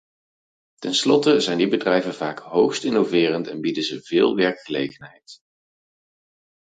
Tenslotte zijn die bedrijven vaak hoogst innoverend en bieden ze veel werkgelegenheid.